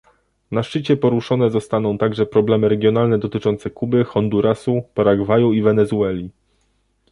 Na szczycie poruszone zostaną także problemy regionalne dotyczące Kuby, Hondurasu, Paragwaju i Wenezueli